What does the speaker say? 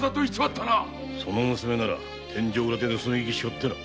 その娘なら天井裏で盗み聞きしおって。